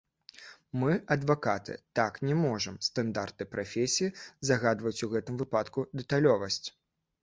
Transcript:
Мы, адвакаты, так не можам, стандарты прафесіі загадваюць ў гэтым выпадку дэталёвасць.